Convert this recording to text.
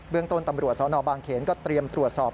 เรื่องต้นตำรวจสนบางเขนก็เตรียมตรวจสอบ